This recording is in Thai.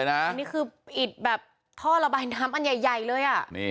อันนี้คืออิดแบบท่อระบายน้ำอันใหญ่เลย